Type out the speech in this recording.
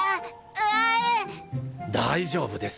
大丈夫です。